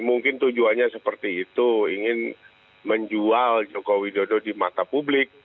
mungkin tujuannya seperti itu ingin menjual joko widodo di mata publik